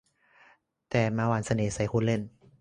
แต่มาหว่านเสน่ห์ใส่คุณเล่น